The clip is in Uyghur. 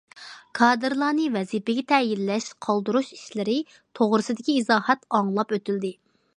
كادىرلارنى ۋەزىپىگە تەيىنلەش- قالدۇرۇش ئىشلىرى توغرىسىدىكى ئىزاھات ئاڭلاپ ئۆتۈلدى.